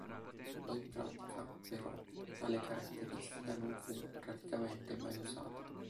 In pratica, però, tale caratteristica non fu praticamente mai usata.